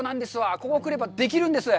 ここへ来れば、できるんです。